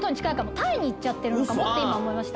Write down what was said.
タイに行っちゃってるのかもって今思いました。